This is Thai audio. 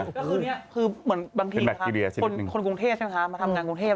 ก็คือเนี้ยคือเหมือนบางทีนะคะเป็นแบคทีเรียชนิดหนึ่งคนกรุงเทศใช่ไหมคะมาทำงานกรุงเทศ